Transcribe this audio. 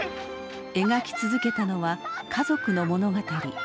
描き続けたのは家族の物語。